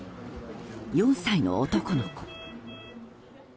４歳の男の子。